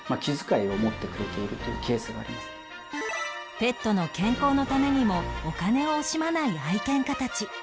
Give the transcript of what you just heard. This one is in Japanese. ペットの健康のためにもお金を惜しまない愛犬家たち